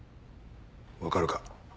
分かるか。